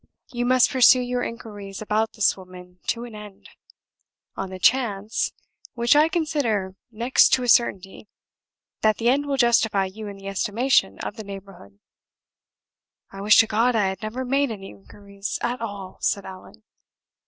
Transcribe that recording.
You must pursue your inquiries about this woman to an end on the chance (which I consider next to a certainty) that the end will justify you in the estimation of the neighborhood." "I wish to God I had never made any inquiries at all!" said Allan.